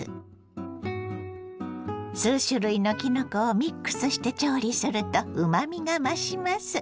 数種類のきのこをミックスして調理するとうまみが増します。